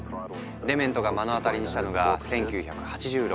デメントが目の当たりにしたのが１９８６年。